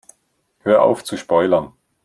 Hör auf zu spoilern!